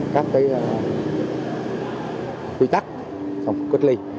các cái quy tắc xong quyết lý